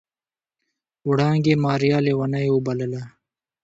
وړانګې ماريا ليونۍ وبلله.